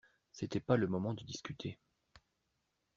C’était pas le moment de discuter.